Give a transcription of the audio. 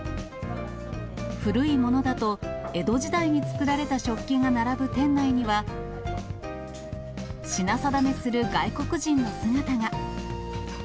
古いものだと江戸時代に作られた食器が並ぶ店内には、品定めする外国人の姿が。